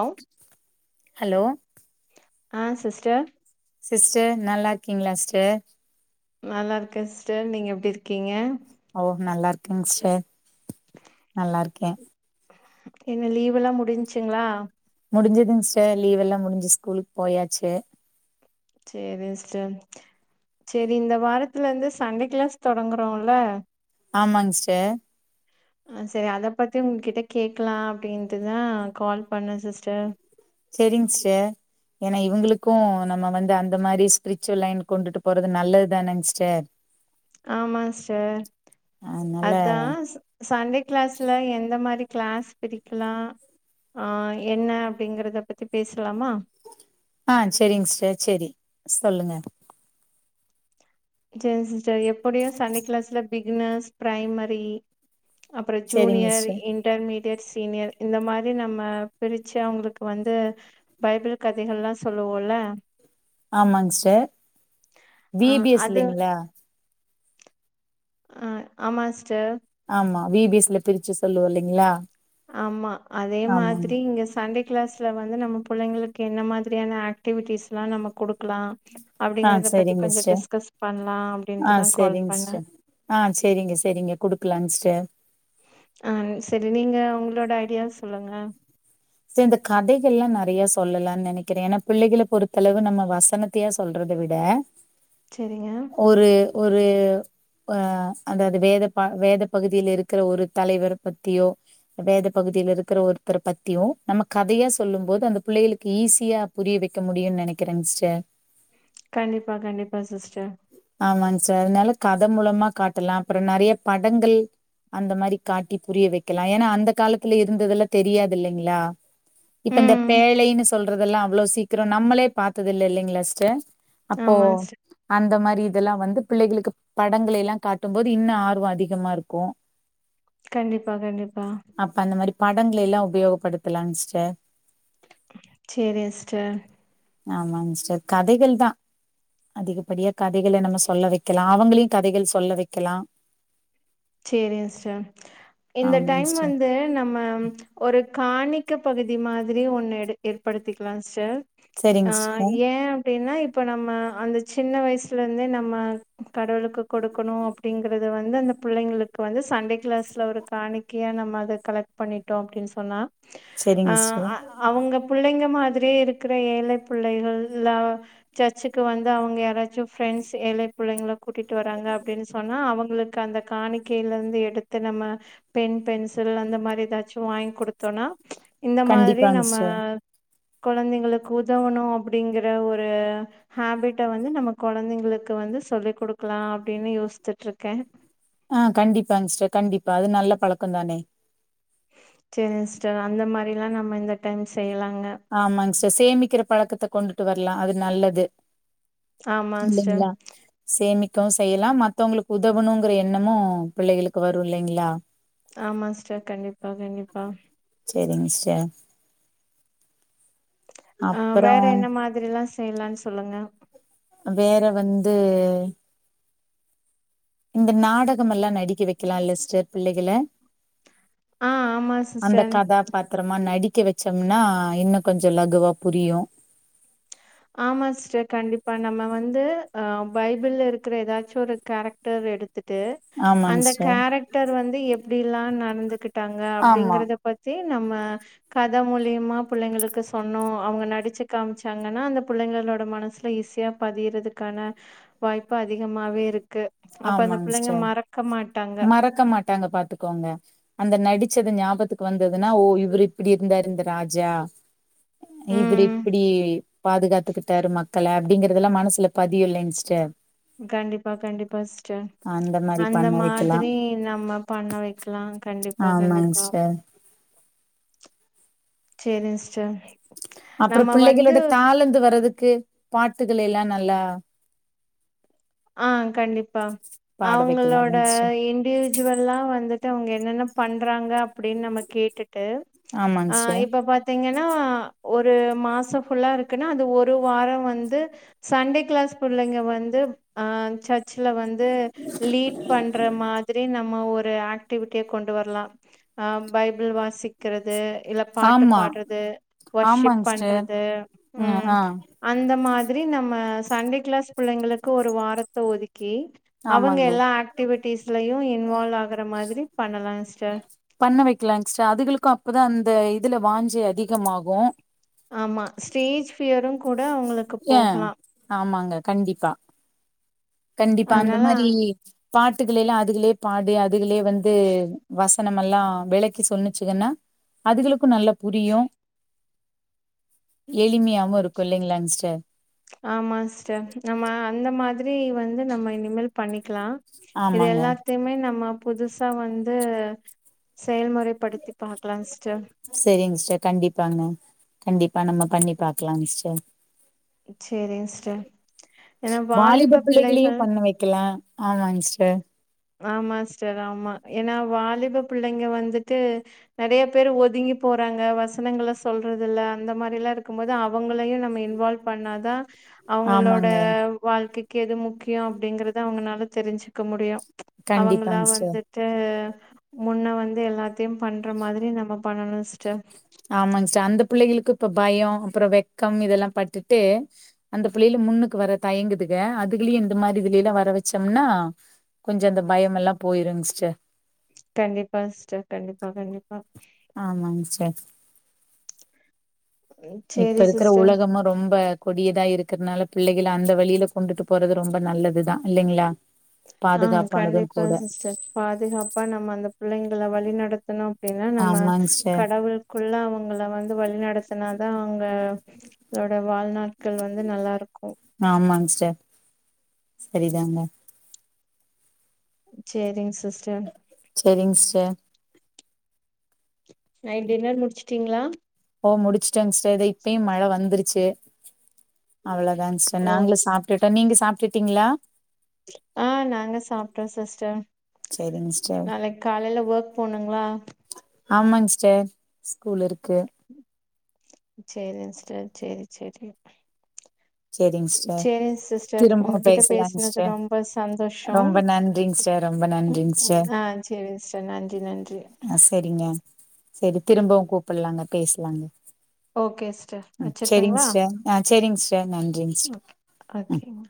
அவு ஹலோ ஆ sister sister நல்லா இருக்கீங்களா சிஸ்டர் நல்லா இருக்கே சிஸ்டர் நீங்க எப்டி இருக்கீங்க ஓ நல்லா இருக்கேங்க சிஸ்டர் நல்லா இருக்கே என்ன லீவ்வெல்லா முடிஞ்சுச்சுங்ளா முடிஞ்சதுங் சிஸ்டர் லீவ் எல்லா முடிஞ்சு ஸ்கூலுக்கு போயாச்சு சேரி சிஸ்டர் சேரி இந்த வாரத்துல இருந்து சண்டே க்ளாஸ் தொடங்குறோல்ல ஆமாங்க சிஸ்டர் ஆ சேரி அத பத்தி உங்ககிட்ட கேக்கலா அப்டின்ட்டுதா கால் பண்ணே சிஸ்டர் செரிங் சிஸ்டர் ஏன்னா இவுங்களுக்கு நம்ம வந்து அந்த மாரி ஸ்பிரிச்சுவல் லைன் கொண்டுட்டு போறது நல்லது தானங்க சிஸ்டர் ஆமா சிஸ்டர் அதனால அதா சண்டே க்ளாஸ்ல எந்த மாரி க்ளாஸ் பிரிக்கலா ஆ என்ன அப்டிங்கிறத பத்தி பேசலாமா ஆ செரிங்க சிஸ்டர் செரி சொல்லுங்க செரி சிஸ்டர் எப்புடியு சண்டே க்ளாஸ்ல பிகுனர்ஸ் ப்ரைமரி அப்பறோ செரிங்க ஜூனியர் சிஸ்டர் இன் இன்டர்மீடியட் சீனியர் இந்த மாரி நம்ம பிரிச்சு அவுங்களுக்கு வந்து பைபிள் கதைகள்லா சொல்லுவோல்ல ஆமாங்க சிஸ்டர் வி ஆ பி எஸ் அது இல்லைங்ளா ஆ ஆமா சிஸ்டர் ஆமா வி பி எஸ் ல பிரிச்சு சொல்லுவோ இல்லைங்களா ஆமா அதே ஆமாங்க மாதிரி இங்க சண்டே கிளாஸ்ல வந்து நம்ம புள்ளைங்களுக்கு என்ன மாதிரியான ஆக்டிவிட்டிஸ்லா நம்ம குடுக்கலா ஆ அப்டிங்கிறத பத்தி செரிங்க கொஞ்ச சிஸ்டர் டிஸ்கஸ் பண்லா ஆ அப்டின்ட்டு தா கால் செரிங்க பண்ணே சிஸ்டர் ஆ சேரிங்க சேரிங்க குடுக்கலாங் சிஸ்டர் ஆ செரி நீங்க உங்ளோட ஐடியா சொல்லுங்க சிஸ்டர் இந்த கதைகள்லா நெறையா சொல்லலான் நெனைக்கிறே ஏனா பிள்ளைகள பொறுத்தளவு நம்ம வசனத்தையா சொல்றத விட செரிங்க ஒரு ஒரு ஆ அதாவ்து வேத ப வேத பகுதில இருக்கிற ஒரு தலைவர பத்தியோ வேத பகுதில இருக்கிற ஒருத்தர் பத் தியோ நம்ம கதையா சொல்லும் போது அந்த பிள்ளையளுக்கு ஈஸியா புரிய வைக்க முடியுன் நெனைக்கிறேங்க சிஸ்டர் கண்டிப்பா கண்டிப்பா சிஸ்டர் ஆமா சிஸ்டர் அதனால கத மூலமா காட்டலா அப்றோ நெறைய படங்கள் அந்த மாரி காட்டி புரிய வெக்கலா ஏனா அந்த காலத்துல இருந்ததெல்லா தெரியாது இல்லைங்ளா இப்ப இந்த ம் பேழைன்னு சொல்றதெல்லா அவ்ளோ சீக்கிரோ நம்மளே பாத்ததில்ல இல்லைங்ளா சிஸ்டர் அப்போ ஆமா சிஸ்டர் அந்த மாரி இதெல்லா வந்து பிள்ளைகளுக்கு படங்களைலா காட்டும்போது இன்னு ஆர்வோ அதிகமா இருக்கு கண்டிப்பா கண்டிப்பா அப்ப அந்த மாரி படங்களைலா உபயோகப்படுத்தலாங் சிஸ்டர் சேரிக சிஸ்டர் ஆமாங் சிஸ்டர் கதைகள் தா அதிகப்படியா கதைகள நம்ம சொல்ல வெக்கலா அவுங்களையு கதைகள் சொல்ல வெக்கலா சேரிங்க சிஸ்டர் இந்த ஆமாங்க டைம் சிஸ்டர் வந்து நம்ம ஒரு காணிக்க பகுதி மாதிரி ஒன்னு எடு ஏற்படுத்திக்கலா சிஸ்டர் ஆ சரிங்க சிஸ்டர் ஏ அப்டின்னா இப்ப நம்ம அந்த சின்ன வயசுல இருந்தே நம்ம கடவுளுக்கு கொடுக்கணு அப் அப்டிங்கிறத வந்து அந்த புள்ளைங்களுக்கு வந்து சண்டே கிளாஸ்ல ஒரு காணிக்கையா நம்ம அத கலெக்ட் பண்ணிட்டோ அப்டின் சொன்னா ஆ செரிங்க சிஸ்டர் அ அவ்ங்க புள்ளைங்க மாதிரியே இருக்கிற ஏழை புள்ளைகள்லா சர்ச்சுக்கு வந்து அவ்ங்க யாராச்சு ஃபாரெண்ட்ஸ் ஏழை புள்ளைங்கள கூட்டிட்டு வராங்க அப்டின் சொன்னா அவ்ங்களுக்கு அந்த காணிக்கைல இருந்து எடுத்து நம்ம பெண் பென்சில் அந்த மாரி எதாச்சு வாங்கி குடுத்தோனா இந்த மாதிரி கண்டிப்பாங்க நம்ம சிஸ்டர் கொழந்தைங்களுக்கு உதவணு அப்டிங்கிற ஒரு ஹாபிட்ட வந்து நம்ம கொழந்தைங்களுக்கு வந்து சொல்லி் குடுக்லா அப்டின்னு யோசிச்சுட்ருக்கே ஆ கண்டிப்பாங் சிஸ்டர் கண்டிப்பா அது நல்ல பழக்கந் தானே சேரி சிஸ்டர் அந்த மாரிலா நம்ம இந்த டைம் செய்யலாங்க ஆமாங் சிஸ்டர் சேமிக்கிற பழக்கத்த கொண்டுட்டு வர்லா அது நல்லது ஆமா சிஸ்டர் இல்லைங்ளா சேமிக்கவு செய்யலா மத்தவ்ங்களுக்கு உதவணுங்கிற எண்ணமு பிள்ளைகளுக்கு வரு இல்லைங்ளா ஆமா சிஸ்டர் கண்டிப்பா கண்டிப்பா சேரிங்க சிஸ்டர் ஆ அப்புறோ வேற என்ன மாதிரிலா செய்யலான் சொல்லுங்க வேற வந்து இந்த நாடகமெல்லா நடிக்க வெக்கலால சிஸ்டர் பிள்ளைகள ஆ ஆமா அந்த சிஸ்டர் கதா பாத்திரமா நடிக்க வெச்சோம்னா இன்னு கொஞ்ச லகுவா புரியு ஆமா சிஸ்டர் கண்டிப்பா நம்ம வந்து ஆ பைபிள்ல இருக்குற ஏதாச்சு ஒரு கேரக்டர் எடுத்து து ஆமாங்க அந்த சிஸ்டர் கேரக்டர் வந்து எப்டில்லா நடந்துகுட்டாங்க ஆமா அப்டிங்கறத பத் தி நம்ம கத மூலியமா பிள்ளைங்களுக்கு சொன்னோ அவங்க நடிச்சு காமிச்சாங்கன்னா அந்த பிள்ளைங்களோட மனசுல ஈஸியா பதிறதுக்கான வாய்ப்பு அதிகமாவே இரு கு அப்ப அந்த ஆமாங்க பிள்ளைங்க சிஸ்டர் மறக்க மாட்டாங்க மறக்க மாட்டாங்க பாத்துக் கோங்க அந்த நடிச்சது ஞாபத்துக்கு வந்ததுன்னா ஓ இவரு இப்டி இருந்தாரு இந்த ராஜா இவுரு ம் இப்டி பாதுகாத்துக்குட்டாரு மக்கள அப்டிங்கறதெல்லா மனசுல பதியு இல்லைங்க சிஸ்டர் கண்டிப்பா கண்டிப்பா்ட சிஸ்டர் மாரி அந்த பண்ண வைக்கலா மாதிரி நம்ம பண்ண வைக்கலா கண்டிப்பா ஆமாங் கண்டிப்பா சிஸ்டர் சேரி சிஸ்டர் அப்புறோ நம்ம வந்து பிள்ளைகளோட தாழந்து வர்றதுக்கு பாட்டுகள் எல்லா நல்லா ஆ கண்டிப்பா பாட வைக்கலா அவங்களோட இல்லைங் சிஸ்டர் இண்டு விஜுவல்லா வந்துட்டு அவங்க என்னென்ன பண்றாங்க அப்டின் நம்ம கேட்டுட்டு ஆமாங் ஆ சிஸ்டர் இப்ப பா த்தீங்கன்னா ஒரு மாசோ ஃபுல்லா இருக்குன்னா அது ஒரு வாரோ வந்து சண்டே கிளாஸ் புள்ளைங்க வந்து ஆ சர்ச்ல வந்து லீட் பண்ற மாதிரி நம்ம ஒரு ஆக் டிவிட்டிய கொண்டு வர்லா ஆ பைபிள் வாசிக்குறது இல்ல பாட்டு ஆமா பாடுறது வர்ஷிப் ஆமாங் சிஸ்டர் பண்றது ம் அந்த மாதிரி நம்ம சண்டே க்ளாஸ் பிள்ளைங்களுக்கு ஒரு வாரத்த ஒதுக்கி அவங்க ஆமாங்க எல்லா ஆக்டிவிட்டிஸ்லயு இன்வால்வ் ஆகுற மாதிரி பண்ணலாஸ்டர் பண்ண வைக்கலாங் சிஸ்ட அதுகளுக்கு அப்பதா அந்த இதுல வாஞ்சி அதிகமாகு ஆமா ஸ்டேஜ் ஃபியரு கூட அவங்களுக்கு ஏ போகலா ஆமாங்க கண்டிப்பா கண்டிப்பா அந்த அதனால மாரி பாட்டுகள எல்லா அதுகளே பாடு அதுகளே வந்து வசனமெல்லா வெளக்கி சொன்னுச்சுங்கன்னா அதுகளுக்கு நல்லா புரியு எளிமையாவு இருக்கு இல்லைங்களாங்ஸ்டர் ஆமா சிஸ்டர் நம்ம அந்த மாதிரி வந்து நம்ம இனிமேல் பண்ணிக்கலா இது ஆமாங்க எல்லா த்தையுமே நம்ம புதுசா வந்து செயல்முறை படுத்தி பாக்கலா சிஸ்டர் சரிங்க சிஸ்டர் கண்டிப்பாங்க கண்டிப்பா நம்ம பண்ணி பாக்கலா சிஸ்டர் சேரிங் சிஸ்டர் ஏன்னா வாலிப பிள்ளைகளையு பிள்ளைகள் பண்ண வைக்கலா ஆமாங்க சிஸ்டர் ஆமா ஸ்டர் ஆமா ஏன்னா வாலிப பிள்ளைங்க வந்துட்டு நெறைய பேர் ஒதுங்கி போறாங்க வசனங்கள சொல்றதில்ல அந்த மாரில்லா இருக்கும் போது அவங்களையு நம்ம இன்வால்வ் பண்ணாதா அவங்களோட ஆமாங்க வாழ்க்கைக்கு எது முக்கியோ அப்டிங்கறத அவங்கனால தெரிஞ்சுக்க முடியு அவங்களா கண்டிப்பாங் சிஸ்டர் வந்து ட்டு முன்ன வந்து எல்லாத்தையு பண்ற மாதிரி நம்ம பண்ணனு ஸ்டர் ஆமாங்ஸ்ட அந்த பிள்ளைகளுக்கு இப்ப பயோ அப்புறோ வெக்கம் இதெல்லா பட்டுட்டு அந்த பிள்ளைகல முன்னுக்கு வர தயங்குதுங்க அதுக்குலயு இந்த மாதி இதுல எல்லா வர வெச்சோம்னா கொஞ்சோ அந்த பயமல்லா போயிருங்க சிஸ்டர் கண்டிப்பா சிஸ்டர் கண்டிப்பா கண்டிப்பா ஆமாங்க சிஸ்டர் இப்ப சேரி இருக்கிற சிஸ்டர் உலகமா ரொம்ப கொடியதா இருக்குறதுனால பிள்ளைகளை அந்த வழியில கொண்டுட்டு போறது ரொம்ப நல்லதுதா இல்லைங்களா ஆ பாதுகாப்பானது கண்டிப்பா கூட சிஸ்டர் பாதுகாப்பா நம்ம அந்த பிள்ளைங்களை வழிநடத்தணு அப்டின்னா நம்ம ஆமாங்க சிஸ்டர். கடவுள் ஃபுல்லா அவங்கள வந்து வழி நடத்துனாதா அவங்க அதனோட வாழ்நாட்கள் வந்து நல்லா இருக்கு ஆமாங்க சிஸ்டர் சரிதாங்க சேரிங்க சிஸ்டர் செரிங்க சிஸ்டர் நைட் டின்னர் முடிச்சிட்டீங்களா ஓ முடிச்சுட்டேங்க சிஸ்டர் இத இப்பயு மழை வந்துருச்சு அவ்வளதாங்க சிஸ்டர் ஓ நாங்களு சாப்ட்டுட்டோ நீங்க சாப்ட்டுட்டீங்களா ஆ நாங்க சாப்ட்டோ சிஸ்டர் சேரிங் சிஸ்டர் நாளைக்கி காலேல ஒர்க் போணுங்களா ஆமாங்க சிஸ்டர் ஸ்கூல் இருக்கு ம் சேரிங்க சிஸ்டர் சேரி சேரி சேரிங்க சிஸ்டர் சேரிங் சிஸ்டர் திரும்ப உங்ககிட்ட பேசலாங்க பேசுனது சிஸ்டர் ரொம்ப சந்தோஷோ ரொம்ப நன் றிங்க சிஸ்டர் ரொம்ப ம் நன்றிங்க சிஸ்டர் ஆ சேரிங் சிஸ்டர் நன்றி நன்றி ஆ சரிங்க சரி திரும்பவு கூப்டலாங்க பேசலாங்க ஓகே சிஸ்டர் ம் சேரிங் வச்சிரட்டுங்களா சிஸ்டர் ஆ சேரிங்க சிஸ்டர் நன்றிங்க ஓகேங்க